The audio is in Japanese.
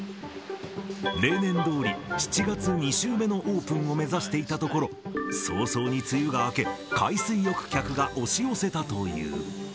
例年どおり、７月２週目のオープンを目指していたところ、早々に梅雨が明け、海水浴客が押し寄せたという。